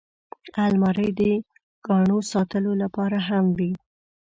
الماري د ګاڼو ساتلو لپاره هم وي